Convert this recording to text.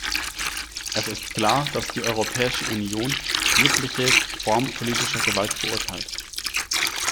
Es ist klar, dass die Europäische Union jegliche Form politischer Gewalt verurteilt.